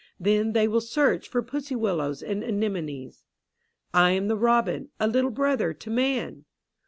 Then they will search for pussy willows and anemones. I am the robin, a little brother to man!